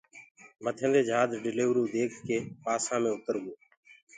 مٿينٚدي جھاج ڊليورو ديک ڪي پاسا مي اُترگو